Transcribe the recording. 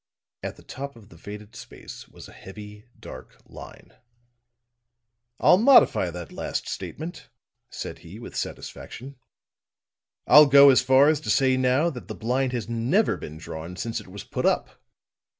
At the top of the faded space was a heavy dark line. "I'll modify that last statement," said he, with satisfaction. "I'll go as far as to say, now, that the blind has never been drawn since it was put up.